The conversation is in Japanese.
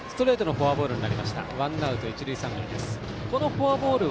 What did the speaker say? フォアボール。